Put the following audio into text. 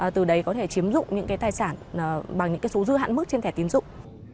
từ đấy có thể chiếm dụng những cái tài sản bằng những cái số dư hạn mức trên thẻ tiến dụng